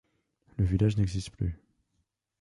Le village n'existe plus.